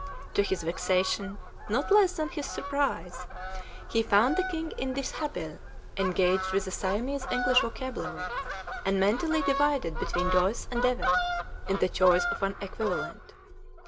To his vexation, not less than his surprise, he found the king in dishabille, engaged with a Siamese English vocabulary, and mentally divided between "deuce" and "devil," in the choice of an equivalent.